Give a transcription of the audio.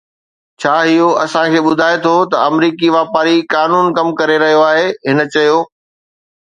ڇا اهو اسان کي ٻڌائي ٿو ته آمريڪي واپاري قانون ڪم ڪري رهيو آهي، هن چيو